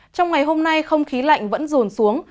trong ngày hôm nay không khí lạnh vẫn rồn xuống